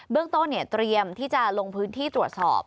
เรื่องต้นเตรียมที่จะลงพื้นที่ตรวจสอบ